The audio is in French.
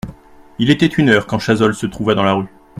Il était une heure quand Chazolles se trouva dans la rue.